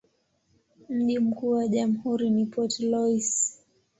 Mji mkuu wa jamhuri ni Port Louis.